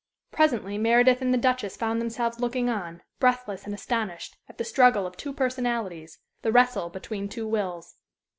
Presently, Meredith and the Duchess found themselves looking on, breathless and astonished, at the struggle of two personalities, the wrestle between two wills.